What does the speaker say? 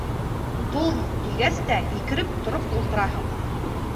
«Тор!» тигәс тә һикереп тороп ултыраһың.